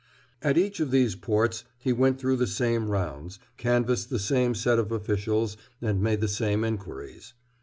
At each of these ports he went through the same rounds, canvassed the same set of officials, and made the same inquiries.